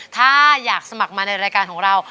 ถ้าอยากสมัครมาในรายการของเรา